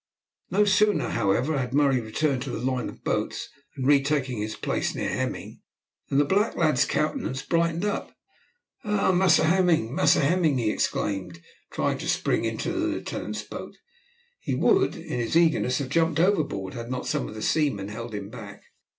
No sooner, however, had Murray returned to the line of boats and retaken his place near Hemming, than the black lad's countenance brightened up. "Ah, Massa Hemming, Massa Hemming," he exclaimed, trying to spring into the lieutenant's boat. He would in his eagerness have jumped overboard, had not some of the seamen held him back.